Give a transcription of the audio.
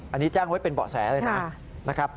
อันนี้แจ้งเป็นบ่อแสเลยนะ